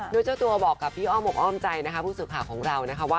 โดยเจ้าตัวบอกกับพี่อ้อมอกอ้อมใจนะคะผู้สื่อข่าวของเรานะคะว่า